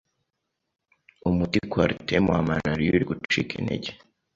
Umuti Coartem wa malaria, uri gucika intege